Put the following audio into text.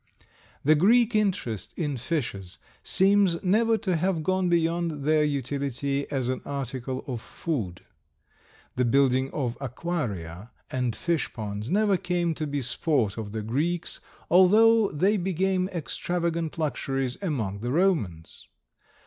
The Greek interest in fishes seems never to have gone beyond their utility as an article of food. The building of aquaria and fish ponds never came to be the sport of the Greeks, although they became extravagant luxuries among the Romans.